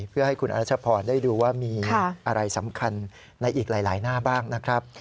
เพื่อให้คุณอรัชพรได้ดูว่ามีอะไรสำคัญในอีกหลายหน้าบ้างนะครับ